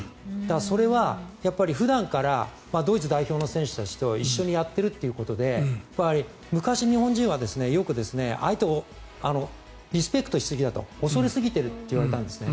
それはやっぱり普段からドイツ代表の選手たちと一緒にやっているということで昔、日本人はよく相手をリスペクトしすぎだと恐れすぎていると言われたんですね。